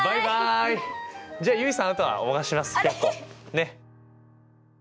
ねっ。